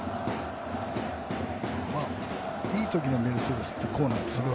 いい時のメルセデスってこうなんです。